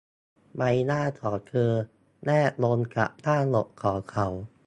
ใบหน้าของเธอแนบลงกับหน้าอกของเขา